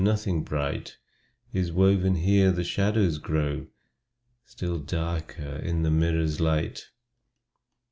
Nothing bright Is woven here: the shadows grow Still darker in the mirror's light!